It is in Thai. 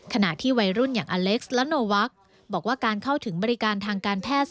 ขณะที่วัยรุ่นอย่างอเล็กซ์และโนวักบอกว่าการเข้าถึงบริการทางการแพทย์